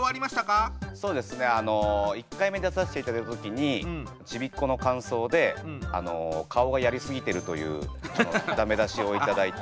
そうですねあの１回目出させていただいた時にちびっ子の感想で「顔がやりすぎてる」というダメ出しを頂いて。